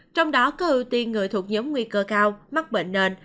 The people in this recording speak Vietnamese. trong đó có ưu tiên người thuộc nhóm nguy cơ cao mắc bệnh nền